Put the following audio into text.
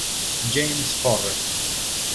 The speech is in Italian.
James Forrest